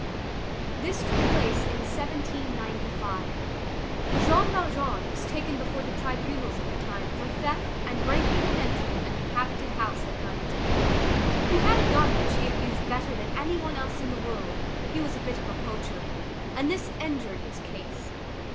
This took place in 1795. Jean Valjean was taken before the tribunals of the time for theft and breaking and entering an inhabited house at night. He had a gun which he used better than any one else in the world, he was a bit of a poacher, and this injured his case.